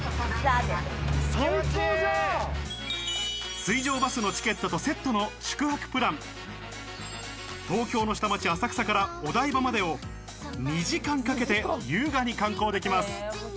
水上バスのチケットとセットの宿泊プラン、東京の下町・浅草からお台場までを２時間かけて優雅に観光できます。